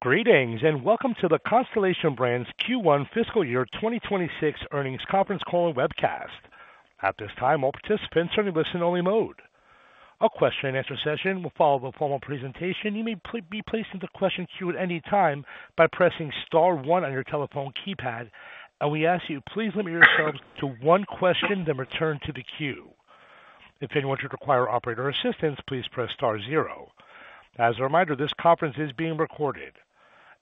Greetings, and welcome to the Constellation Brands Q1 Fiscal Year 2026 Earnings Conference Call and Webcast. At this time, all participants are in listen-only mode. A question-and-answer session will follow the formal presentation. You may be placed into question queue at any time by pressing star one on your telephone keypad, and we ask you to please limit yourselves to one question then return to the queue. If anyone should require operator assistance, please press star zero. As a reminder, this conference is being recorded.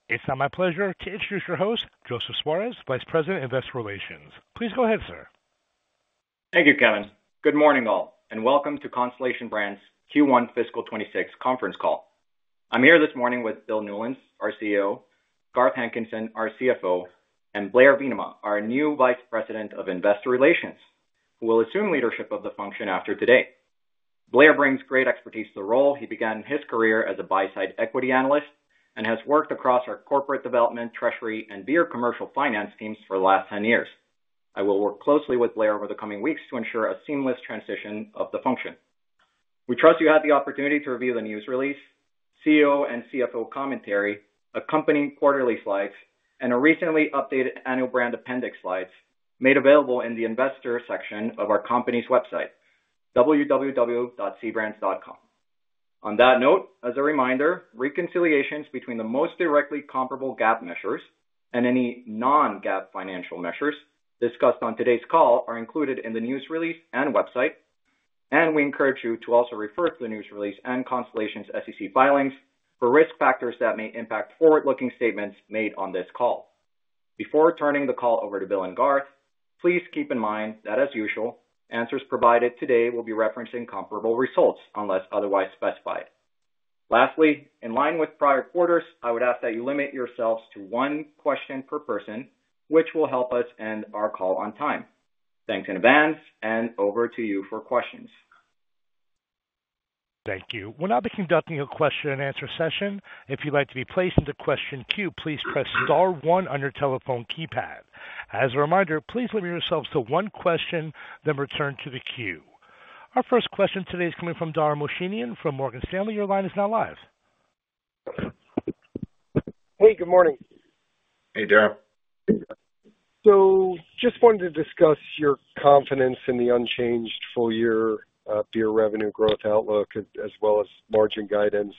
It's now my pleasure to introduce your host, Joseph Suarez, Vice President, Investor Relations. Please go ahead, sir. Thank you, Kevin. Good morning, all, and welcome to Constellation Brands Q1 Fiscal 2026 Conference Call. I'm here this morning with Bill Newlands, our CEO, Garth Hankinson, our CFO, and Blair Veenema, our new Vice President of Investor Relations, who will assume leadership of the function after today. Blair brings great expertise to the role. He began his career as a buy-side equity analyst and has worked across our corporate development, treasury, and beer commercial finance teams for the last 10 years. I will work closely with Blair over the coming weeks to ensure a seamless transition of the function. We trust you had the opportunity to review the news release, CEO and CFO commentary, accompanying quarterly slides, and our recently updated annual brand appendix slides made available in the Investor section of our company's website, www.cbrands.com. On that note, as a reminder, reconciliations between the most directly comparable GAAP measures and any non-GAAP financial measures discussed on today's call are included in the news release and website, and we encourage you to also refer to the news release and Constellation's SEC filings for risk factors that may impact forward-looking statements made on this call. Before turning the call over to Bill and Garth, please keep in mind that, as usual, answers provided today will be referencing comparable results unless otherwise specified. Lastly, in line with prior quarters, I would ask that you limit yourselves to one question per person, which will help us end our call on time. Thanks in advance, and over to you for questions. Thank you. We'll now be conducting a question-and-answer session. If you'd like to be placed into the question queue, please press star one on your telephone keypad. As a reminder, please limit yourselves to one question then return to the queue. Our first question today is coming from Daryl Mercier from Morgan Stanley. Your line is now live. Hey, good morning. Hey, Daryl. Just wanted to discuss your confidence in the unchanged full-year beer revenue growth outlook as well as margin guidance.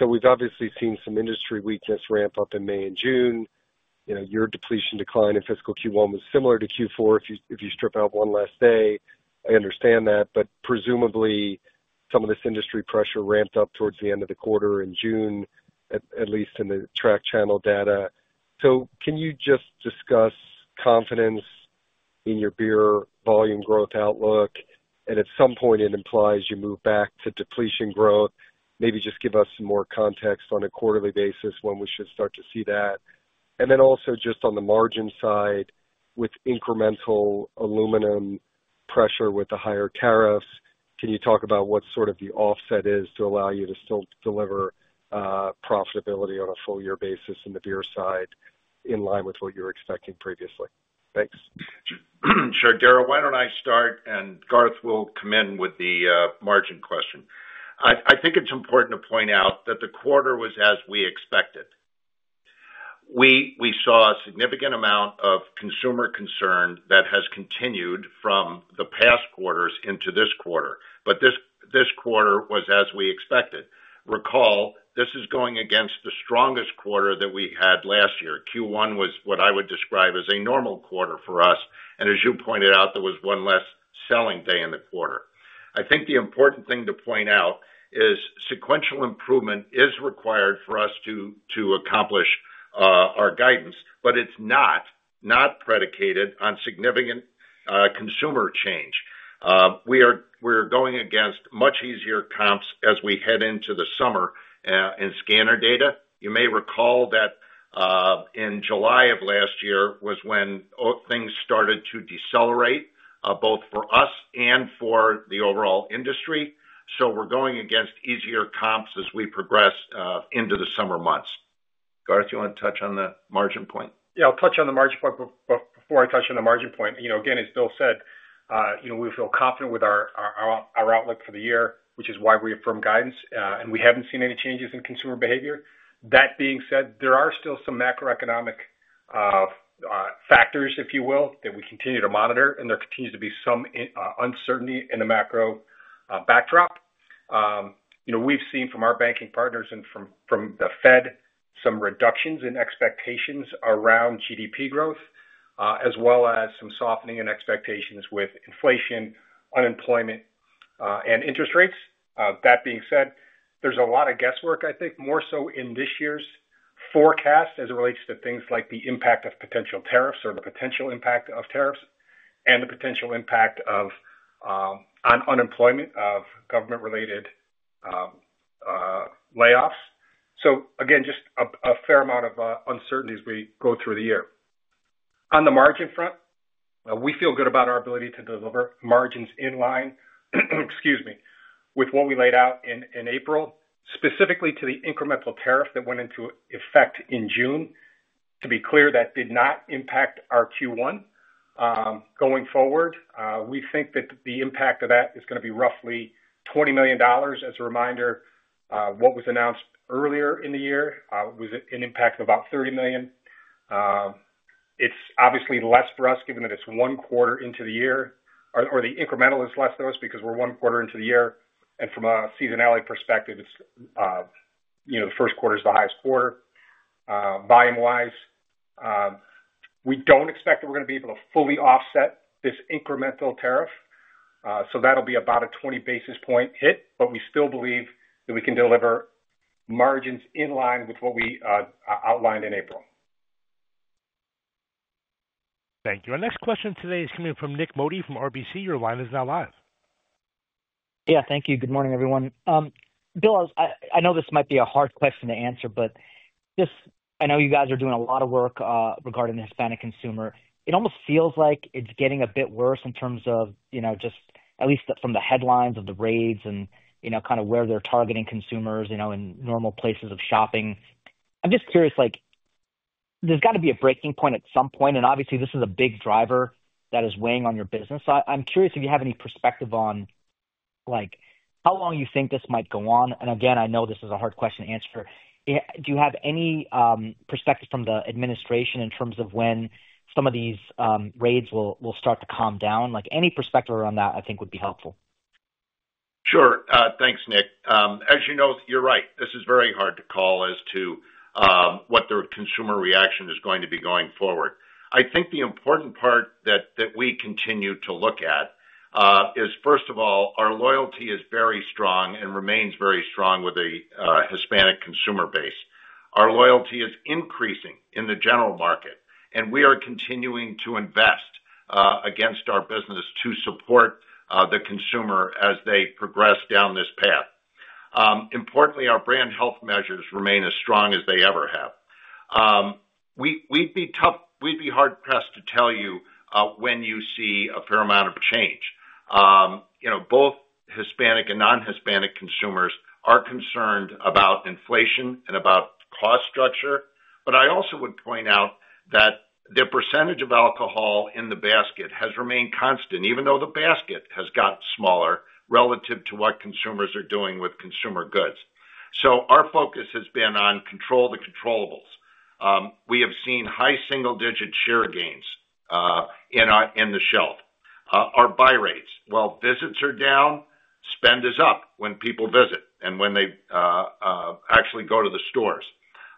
We've obviously seen some industry weakness ramp up in May and June. Your depletion decline in fiscal Q1 was similar to Q4. If you strip out one last day, I understand that, but presumably some of this industry pressure ramped up towards the end of the quarter in June, at least in the track channel data. Can you just discuss confidence in your beer volume growth outlook? At some point, it implies you move back to depletion growth. Maybe just give us some more context on a quarterly basis when we should start to see that. Just on the margin side, with incremental aluminum pressure with the higher tariffs, can you talk about what sort of the offset is to allow you to still deliver profitability on a full-year basis in the beer side in line with what you were expecting previously? Thanks. Sure, Daryl. Why do not I start, and Garth will come in with the margin question. I think it is important to point out that the quarter was as we expected. We saw a significant amount of consumer concern that has continued from the past quarters into this quarter, but this quarter was as we expected. Recall, this is going against the strongest quarter that we had last year. Q1 was what I would describe as a normal quarter for us, and as you pointed out, there was one less selling day in the quarter. I think the important thing to point out is sequential improvement is required for us to accomplish our guidance, but it is not predicated on significant consumer change. We are going against much easier comps as we head into the summer in scanner data. You may recall that in July of last year was when things started to decelerate both for us and for the overall industry. So we're going against easier comps as we progress into the summer months. Garth, do you want to touch on the margin point? Yeah, I'll touch on the margin point, but before I touch on the margin point, again, as Bill said, we feel confident with our outlook for the year, which is why we affirm guidance, and we haven't seen any changes in consumer behavior. That being said, there are still some macroeconomic factors, if you will, that we continue to monitor, and there continues to be some uncertainty in the macro backdrop. We've seen from our banking partners and from the Fed some reductions in expectations around GDP growth, as well as some softening in expectations with inflation, unemployment, and interest rates. That being said, there's a lot of guesswork, I think, more so in this year's forecast as it relates to things like the impact of potential tariffs or the potential impact of tariffs and the potential impact on unemployment of government-related layoffs. Again, just a fair amount of uncertainty as we go through the year. On the margin front, we feel good about our ability to deliver margins in line, excuse me, with what we laid out in April, specifically to the incremental tariff that went into effect in June. To be clear, that did not impact our Q1. Going forward, we think that the impact of that is going to be roughly $20 million. As a reminder, what was announced earlier in the year was an impact of about $30 million. It is obviously less for us given that it is one quarter into the year, or the incremental is less for us because we are one quarter into the year, and from a seasonality perspective, the first quarter is the highest quarter. Volume-wise, we do not expect that we are going to be able to fully offset this incremental tariff, so that will be about a 20 bp hit, but we still believe that we can deliver margins in line with what we outlined in April. Thank you. Our next question today is coming from Nik Modi from RBC. Your line is now live. Yeah, thank you. Good morning, everyone. Bill, I know this might be a hard question to answer, but I know you guys are doing a lot of work regarding the Hispanic consumer. It almost feels like it's getting a bit worse in terms of just at least from the headlines of the raids and kind of where they're targeting consumers in normal places of shopping. I'm just curious, there's got to be a breaking point at some point, and obviously, this is a big driver that is weighing on your business. I'm curious if you have any perspective on how long you think this might go on. I know this is a hard question to answer. Do you have any perspective from the administration in terms of when some of these raids will start to calm down? Any perspective around that, I think, would be helpful. Sure. Thanks, Nick. As you know, you're right. This is very hard to call as to what the consumer reaction is going to be going forward. I think the important part that we continue to look at is, first of all, our loyalty is very strong and remains very strong with the Hispanic consumer base. Our loyalty is increasing in the general market, and we are continuing to invest against our business to support the consumer as they progress down this path. Importantly, our brand health measures remain as strong as they ever have. We'd be hard-pressed to tell you when you see a fair amount of change. Both Hispanic and non-Hispanic consumers are concerned about inflation and about cost structure, but I also would point out that the percentage of alcohol in the basket has remained constant, even though the basket has gotten smaller relative to what consumers are doing with consumer goods. Our focus has been on control the controllables. We have seen high single-digit share gains in the shelf. Our buy rates, while visits are down, spend is up when people visit and when they actually go to the stores.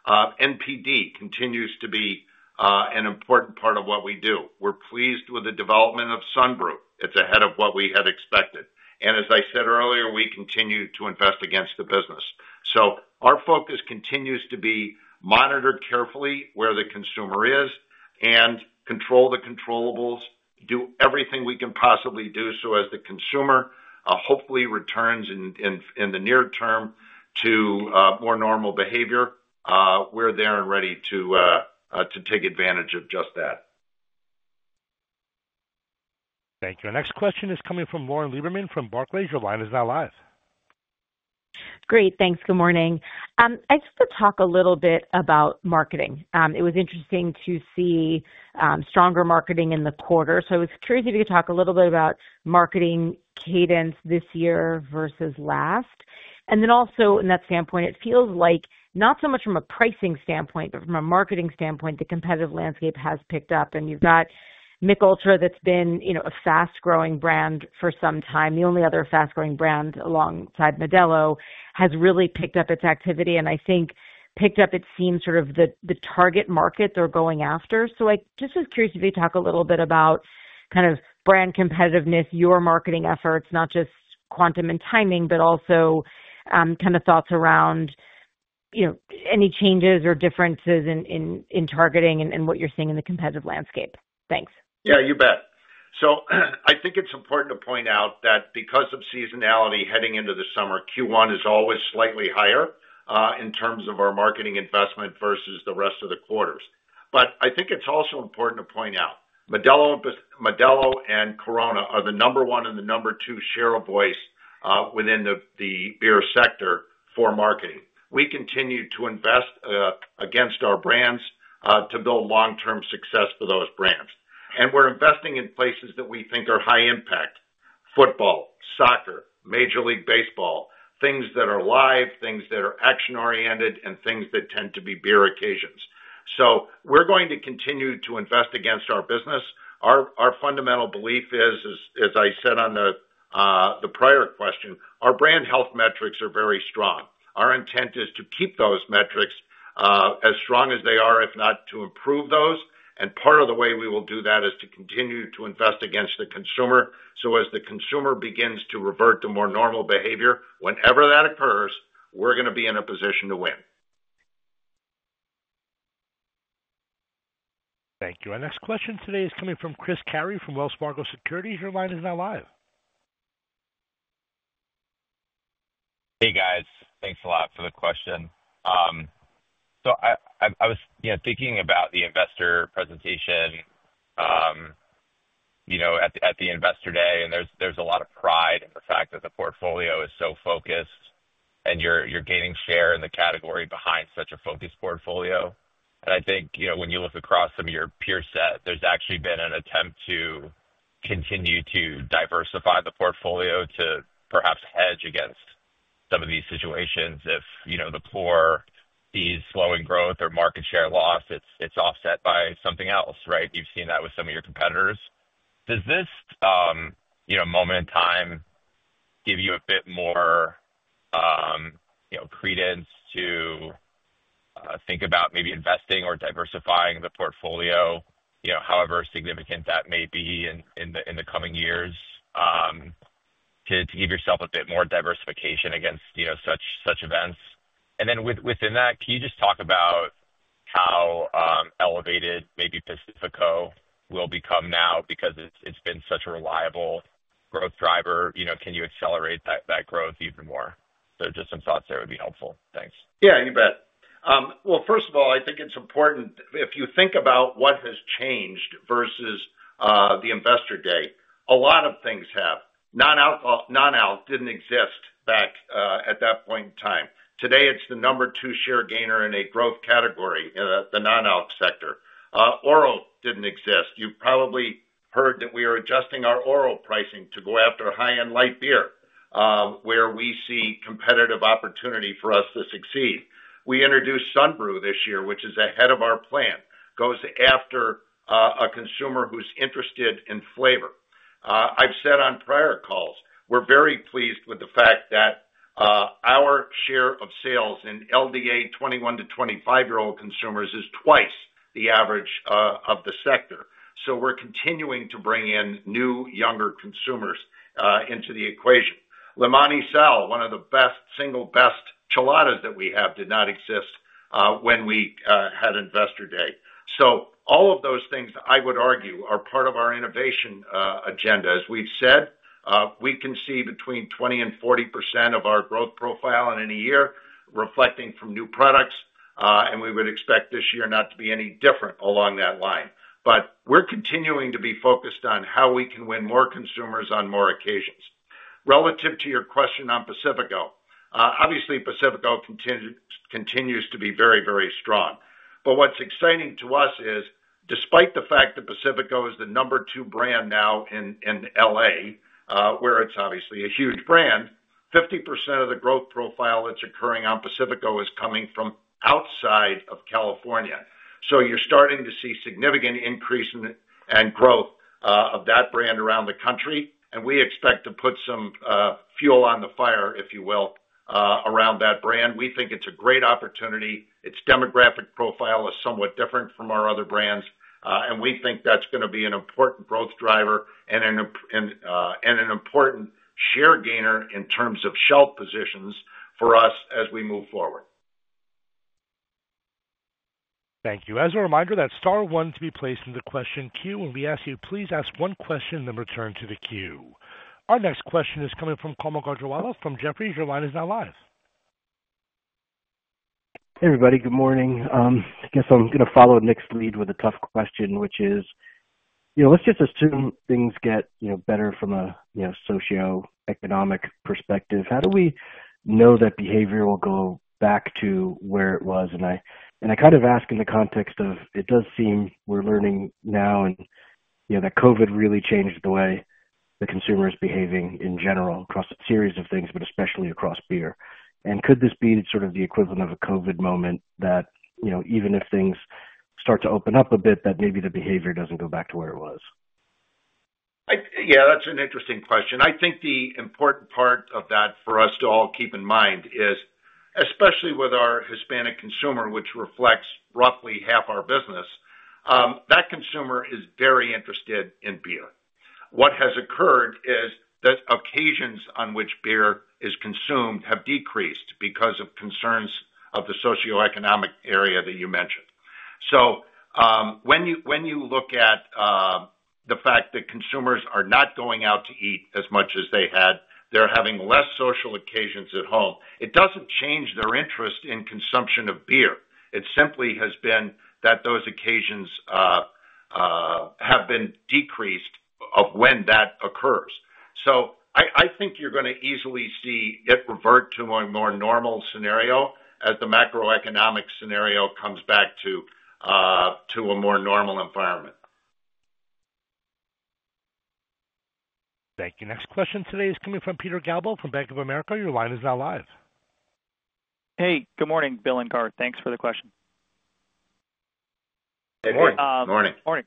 NPD continues to be an important part of what we do. We're pleased with the development of Sun Brew. It's ahead of what we had expected. As I said earlier, we continue to invest against the business. Our focus continues to be monitored carefully where the consumer is and control the controllables, do everything we can possibly do so as the consumer hopefully returns in the near term to more normal behavior. We're there and ready to take advantage of just that. Thank you. Our next question is coming from Lauren Lieberman from Barclays. Your line is now live. Great. Thanks. Good morning. I just want to talk a little bit about marketing. It was interesting to see stronger marketing in the quarter. I was curious if you could talk a little bit about marketing cadence this year versus last. Also, in that standpoint, it feels like not so much from a pricing standpoint, but from a marketing standpoint, the competitive landscape has picked up, and you've got Michelob ULTRA that's been a fast-growing brand for some time. The only other fast-growing brand alongside Modelo has really picked up its activity, and I think picked up, it seems, sort of the target market they're going after. I just was curious if you could talk a little bit about kind of brand competitiveness, your marketing efforts, not just quantum and timing, but also kind of thoughts around any changes or differences in targeting and what you're seeing in the competitive landscape. Thanks. Yeah, you bet. I think it's important to point out that because of seasonality heading into the summer, Q1 is always slightly higher in terms of our marketing investment versus the rest of the quarters. I think it's also important to point out Modelo and Corona are the number one and the number two share of voice within the beer sector for marketing. We continue to invest against our brands to build long-term success for those brands. We're investing in places that we think are high-impact: football, soccer, Major League Baseball, things that are live, things that are action-oriented, and things that tend to be beer occasions. We're going to continue to invest against our business. Our fundamental belief is, as I said on the prior question, our brand health metrics are very strong. Our intent is to keep those metrics as strong as they are, if not to improve those. Part of the way we will do that is to continue to invest against the consumer so as the consumer begins to revert to more normal behavior. Whenever that occurs, we're going to be in a position to win. Thank you. Our next question today is coming from Chris Carey from Wells Fargo Securities. Your line is now live. Hey, guys. Thanks a lot for the question. I was thinking about the investor presentation at the investor day, and there's a lot of pride in the fact that the portfolio is so focused and you're gaining share in the category behind such a focused portfolio. I think when you look across some of your peer set, there's actually been an attempt to continue to diversify the portfolio to perhaps hedge against some of these situations. If the portfolio sees slowing growth or market share loss, it's offset by something else, right? You've seen that with some of your competitors. Does this moment in time give you a bit more credence to think about maybe investing or diversifying the portfolio, however significant that may be in the coming years, to give yourself a bit more diversification against such events? Within that, can you just talk about how elevated maybe Pacifico will become now because it has been such a reliable growth driver? Can you accelerate that growth even more? Just some thoughts there would be helpful. Thanks. Yeah, you bet. First of all, I think it's important if you think about what has changed versus the Investor Day, a lot of things have. Non-ALC didn't exist at that point in time. Today, it's the number two share gainer in a growth category, the non-ALC sector. ORO didn't exist. You've probably heard that we are adjusting our ORO pricing to go after high-end light beer, where we see competitive opportunity for us to succeed. We introduced Sun Brew this year, which is ahead of our plan, goes after a consumer who's interested in flavor. I've said on prior calls, we're very pleased with the fact that our share of sales in LDA 21-25-year-old consumers is twice the average of the sector. We're continuing to bring in new, younger consumers into the equation. Modelo Chelada, one of the single best cheladas that we have, did not exist when we had investor day. All of those things, I would argue, are part of our innovation agenda. As we have said, we can see between 20% and 40% of our growth profile in any year, reflecting from new products, and we would expect this year not to be any different along that line. We are continuing to be focused on how we can win more consumers on more occasions. Relative to your question on Pacifico, obviously, Pacifico continues to be very, very strong. What is exciting to us is, despite the fact that Pacifico is the number two brand now in L.A., where it is obviously a huge brand, 50% of the growth profile that is occurring on Pacifico is coming from outside of California. You're starting to see significant increase in growth of that brand around the country, and we expect to put some fuel on the fire, if you will, around that brand. We think it's a great opportunity. Its demographic profile is somewhat different from our other brands, and we think that's going to be an important growth driver and an important share gainer in terms of shelf positions for us as we move forward. Thank you. As a reminder, that is star one to be placed in the question queue. When we ask you, please ask one question and then return to the queue. Our next question is coming from Carmel Garten from Jefferies. Your line is now live. Hey, everybody. Good morning. I guess I'm going to follow Nick's lead with a tough question, which is, let's just assume things get better from a socioeconomic perspective. How do we know that behavior will go back to where it was? I kind of ask in the context of it does seem we're learning now that COVID really changed the way the consumer is behaving in general across a series of things, but especially across beer. Could this be sort of the equivalent of a COVID moment that even if things start to open up a bit, that maybe the behavior doesn't go back to where it was? Yeah, that's an interesting question. I think the important part of that for us to all keep in mind is, especially with our Hispanic consumer, which reflects roughly half our business, that consumer is very interested in beer. What has occurred is that occasions on which beer is consumed have decreased because of concerns of the socioeconomic area that you mentioned. When you look at the fact that consumers are not going out to eat as much as they had, they're having less social occasions at home, it doesn't change their interest in consumption of beer. It simply has been that those occasions have been decreased of when that occurs. I think you're going to easily see it revert to a more normal scenario as the macroeconomic scenario comes back to a more normal environment. Thank you. Next question today is coming from Peter Galbo from Bank of America. Your line is now live. Hey, good morning, Bill and Garth. Thanks for the question. Hey, good morning. Morning. Morning.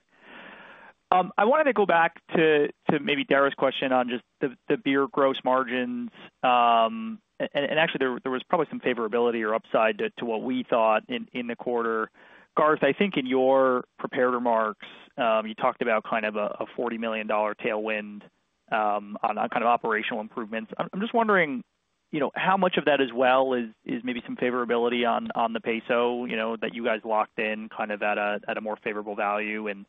I wanted to go back to maybe Daryl's question on just the beer gross margins. Actually, there was probably some favorability or upside to what we thought in the quarter. Garth, I think in your prepared remarks, you talked about kind of a $40 million tailwind on kind of operational improvements. I'm just wondering how much of that as well is maybe some favorability on the peso that you guys locked in kind of at a more favorable value and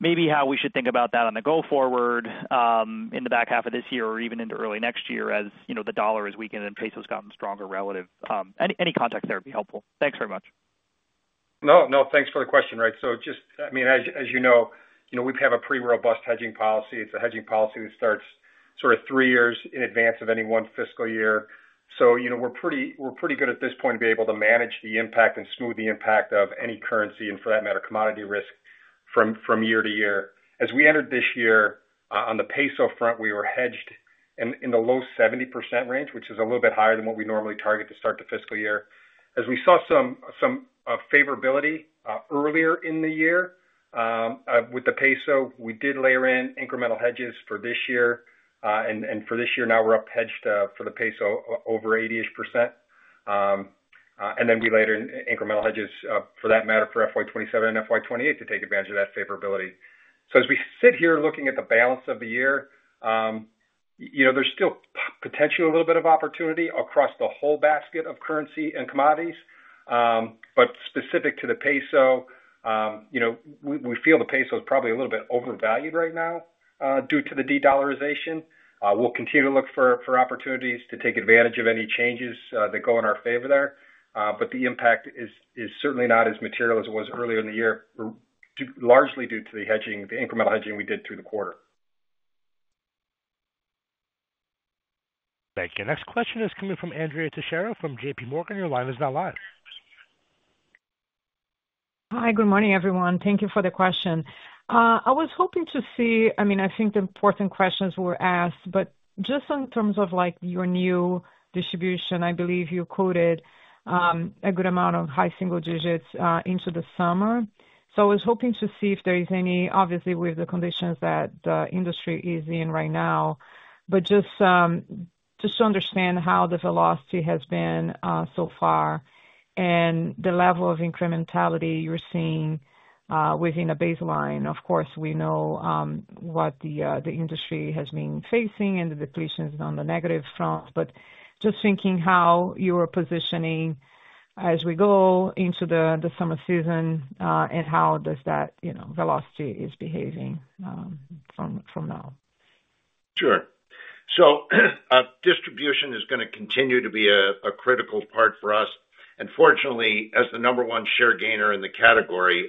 maybe how we should think about that on the go forward in the back half of this year or even into early next year as the dollar has weakened and peso has gotten stronger relative. Any context there would be helpful. Thanks very much. No, no. Thanks for the question. Right. So just, I mean, as you know, we have a pretty robust hedging policy. It is a hedging policy that starts sort of three years in advance of any one fiscal year. We are pretty good at this point to be able to manage the impact and smooth the impact of any currency and, for that matter, commodity risk from year to year. As we entered this year on the peso front, we were hedged in the low 70% range, which is a little bit higher than what we normally target to start the fiscal year. As we saw some favorability earlier in the year with the peso, we did layer in incremental hedges for this year. For this year, now we are up hedged for the peso over 80ish%. We layered in incremental hedges, for that matter, for FY 2027 and FY 2028 to take advantage of that favorability. As we sit here looking at the balance of the year, there's still potentially a little bit of opportunity across the whole basket of currency and commodities. Specific to the peso, we feel the peso is probably a little bit overvalued right now due to the de-dollarization. We'll continue to look for opportunities to take advantage of any changes that go in our favor there. The impact is certainly not as material as it was earlier in the year, largely due to the incremental hedging we did through the quarter. Thank you. Next question is coming from Andrea Teixeira from JPMorgan. Your line is now live. Hi, good morning, everyone. Thank you for the question. I was hoping to see, I mean, I think the important questions were asked, but just in terms of your new distribution, I believe you quoted a good amount of high single digits into the summer. I was hoping to see if there is any, obviously, with the conditions that the industry is in right now, but just to understand how the velocity has been so far and the level of incrementality you're seeing within a baseline. Of course, we know what the industry has been facing and the depletions on the negative front, but just thinking how you are positioning as we go into the summer season and how that velocity is behaving from now. Sure. Distribution is going to continue to be a critical part for us. Fortunately, as the number one share gainer in the category,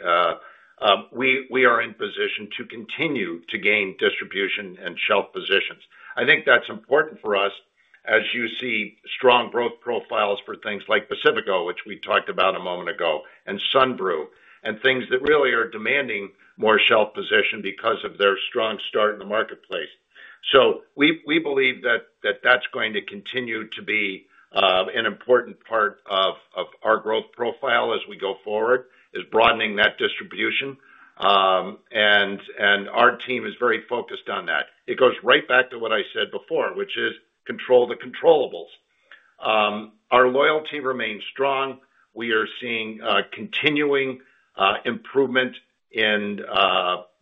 we are in position to continue to gain distribution and shelf positions. I think that's important for us as you see strong growth profiles for things like Pacifico, which we talked about a moment ago, and Sun Brew, and things that really are demanding more shelf position because of their strong start in the marketplace. We believe that that's going to continue to be an important part of our growth profile as we go forward, is broadening that distribution. Our team is very focused on that. It goes right back to what I said before, which is control the controllables. Our loyalty remains strong. We are seeing continuing improvement in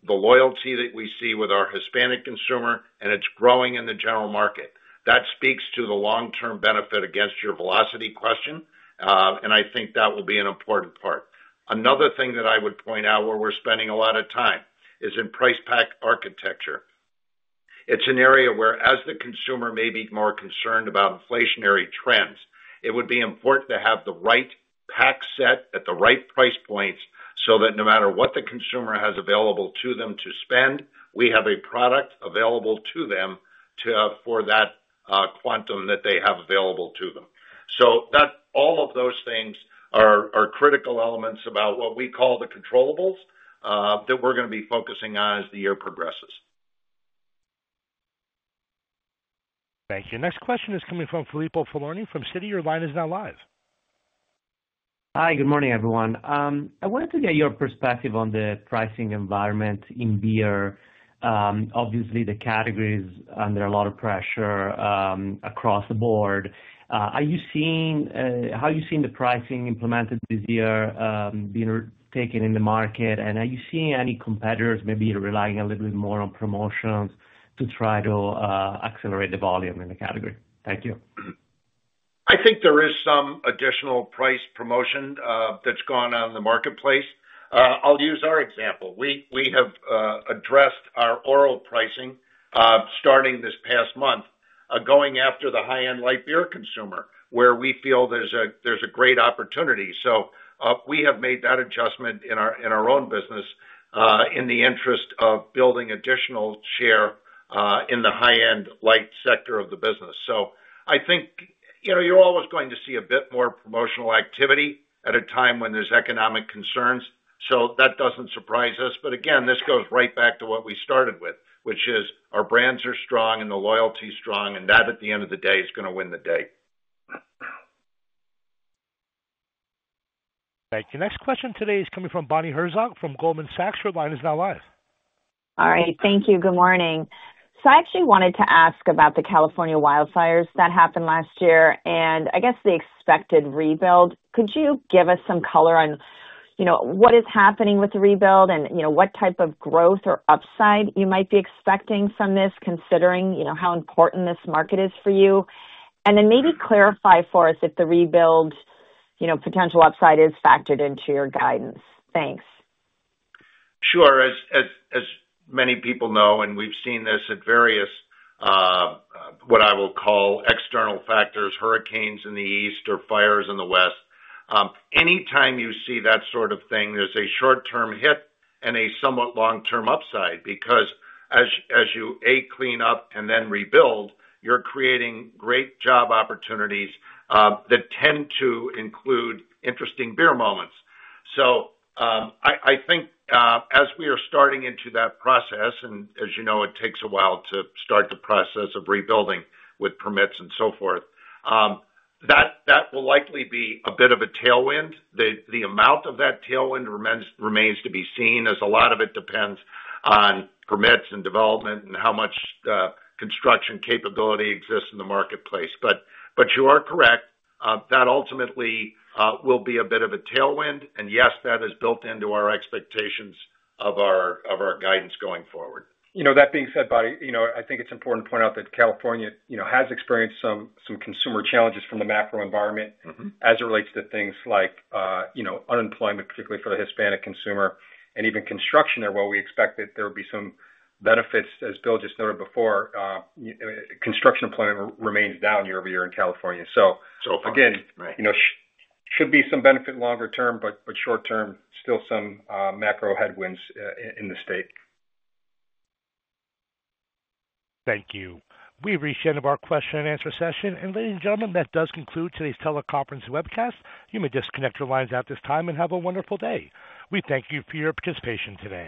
the loyalty that we see with our Hispanic consumer, and it's growing in the general market. That speaks to the long-term benefit against your velocity question, and I think that will be an important part. Another thing that I would point out where we're spending a lot of time is in price pack architecture. It's an area where, as the consumer may be more concerned about inflationary trends, it would be important to have the right pack set at the right price points so that no matter what the consumer has available to them to spend, we have a product available to them for that quantum that they have available to them. All of those things are critical elements about what we call the controllables that we're going to be focusing on as the year progresses. Thank you. Next question is coming from Filippo Falorni from Citi. Your line is now live. Hi, good morning, everyone. I wanted to get your perspective on the pricing environment in beer. Obviously, the category is under a lot of pressure across the board. How are you seeing the pricing implemented this year being taken in the market? Are you seeing any competitors maybe relying a little bit more on promotions to try to accelerate the volume in the category? Thank you. I think there is some additional price promotion that's gone on in the marketplace. I'll use our example. We have addressed our ORO pricing starting this past month, going after the high-end light beer consumer, where we feel there's a great opportunity. We have made that adjustment in our own business in the interest of building additional share in the high-end light sector of the business. I think you're always going to see a bit more promotional activity at a time when there's economic concerns. That doesn't surprise us. Again, this goes right back to what we started with, which is our brands are strong and the loyalty is strong, and that at the end of the day is going to win the day. Thank you. Next question today is coming from Bonnie Herzog from Goldman Sachs. Your line is now live. All right. Thank you. Good morning. I actually wanted to ask about the California wildfires that happened last year and I guess the expected rebuild. Could you give us some color on what is happening with the rebuild and what type of growth or upside you might be expecting from this, considering how important this market is for you? Maybe clarify for us if the rebuild potential upside is factored into your guidance. Thanks. Sure. As many people know, and we've seen this at various, what I will call, external factors, hurricanes in the East or fires in the West, anytime you see that sort of thing, there's a short-term hit and a somewhat long-term upside because as you, A, clean up and then rebuild, you're creating great job opportunities that tend to include interesting beer moments. I think as we are starting into that process, and as you know, it takes a while to start the process of rebuilding with permits and so forth, that will likely be a bit of a tailwind. The amount of that tailwind remains to be seen as a lot of it depends on permits and development and how much construction capability exists in the marketplace. You are correct. That ultimately will be a bit of a tailwind. Yes, that is built into our expectations of our guidance going forward. That being said, Bonnie, I think it's important to point out that California has experienced some consumer challenges from the macro environment as it relates to things like unemployment, particularly for the Hispanic consumer, and even construction there, where we expect that there will be some benefits. As Bill just noted before, construction employment remains down year over year in California. Again, should be some benefit longer term, but short term, still some macro headwinds in the state. Thank you. We've reached the end of our question and answer session. Ladies and gentlemen, that does conclude today's teleconference webcast. You may disconnect your lines at this time and have a wonderful day. We thank you for your participation today.